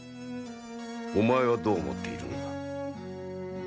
お前はどう思っているのだ？